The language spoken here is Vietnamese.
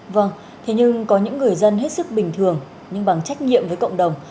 vâng thế nhưng có những người dân hết sức bình thường nhưng bằng trách nhiệm với cộng đồng